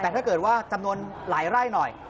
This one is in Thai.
แต่ถ้าเกิดว่าจำนวนหลายไร่หน่อย